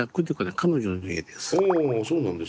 彼女の家です。